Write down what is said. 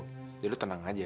jadi lu tenang aja